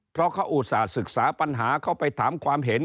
เพราะเขาอุตส่าห์ศึกษาปัญหาเขาไปถามความเห็น